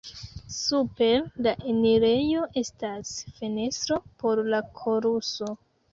Super la enirejo estas fenestro por la koruso.